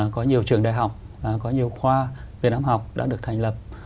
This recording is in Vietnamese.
có nhiều trường đại học có nhiều khoa việt nam học đã được thành lập